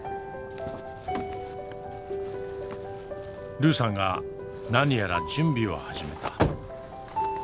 ルーさんが何やら準備を始めた。